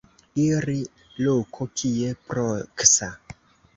Iri loko kie proksa.